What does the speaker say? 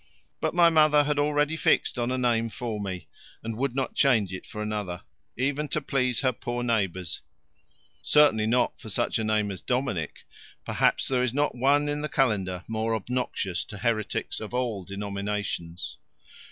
But my mother had already fixed on a name for me and would not change it for another, even to please her poor neighbours certainly not for such a name as Dominic; perhaps there is not one in the calendar more obnoxious to heretics of all denominations.